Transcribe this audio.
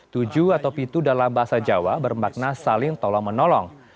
tujuh atau pitu dalam bahasa jawa bermakna saling tolong menolong